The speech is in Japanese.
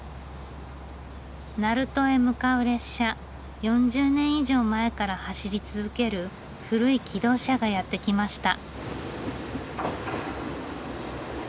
鳴門へ向かう列車４０年以上前から走り続ける古い気動車がやって来ました。